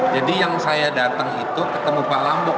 jadi yang saya datang itu ketemu pak lambok